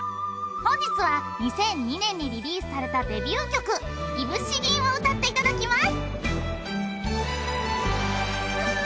本日は２００２年にリリースされたデビュー曲『いぶし銀』を歌っていただきます。